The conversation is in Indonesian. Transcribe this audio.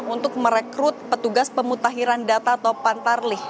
untuk merekrut petugas pemutahiran data atau pantarlih